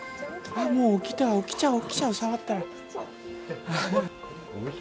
もう起きちゃう起きちゃう触ったら。